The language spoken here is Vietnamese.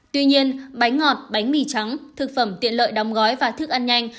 tuy nhiên bánh ngọt bánh mì trắng thực phẩm tiện lợi đóng gói và thức ăn nhanh